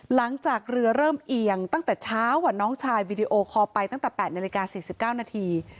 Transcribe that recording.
หลังจากเรือเริ่มเอียงตั้งแต่เช้าน้องชายวีดีโอคอลไปตั้งแต่๘นาฬิกา๔๙นาที